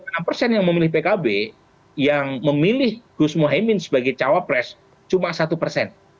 nah dari sembilan enam persen yang memilih pkb yang memilih gus muhyamin sebagai cawapres cuma satu persen